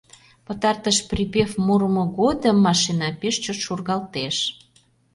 Пытартыш припев мурымо годым машина пеш чот шургалтеш.